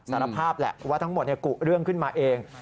สารภาพแหละว่าทั้งหมดกุเรื่องขึ้นมาเอง